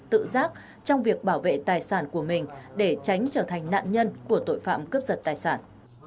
tự giác trong việc bảo vệ tài sản của mình để tránh trở thành nạn nhân của tội phạm cướp giật tài sản